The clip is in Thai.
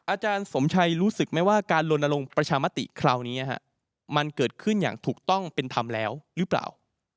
อาจารย์สมชัยรู้สึกไหมว่าการลนลงประชามติคราวนี้มันเกิดขึ้นอย่างถูกต้องเป็นธรรมแล้วหรือเปล่า